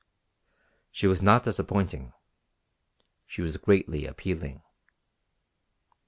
She was not disappointing. She was greatly appealing.